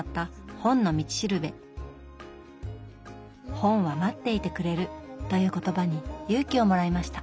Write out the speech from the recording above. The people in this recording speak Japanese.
「本は待っていてくれる」という言葉に勇気をもらいました。